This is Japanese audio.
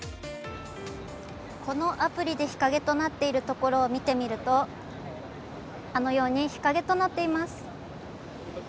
このアプリで日陰となっているところを見てみると、あのように日陰となっています。